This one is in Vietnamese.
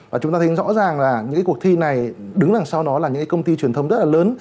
và chúng ta thấy rõ ràng là những cuộc thi này đứng đằng sau nó là những công ty truyền thông rất là lớn